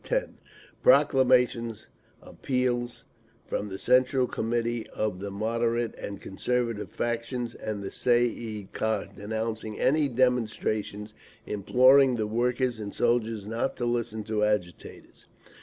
10) proclamations, appeals, from the Central Committees of the "moderate" and conservative factions and the Tsay ee kah, denouncing any "demonstrations," imploring the workers and soldiers not to listen to agitators.